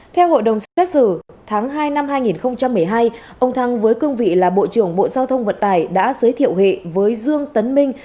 theo hội đồng xét xử tháng hai năm hai nghìn một mươi hai ông thăng với cương vị là bộ trưởng bộ giao thông vận tải đã giới thiệu hệ với dương tấn minh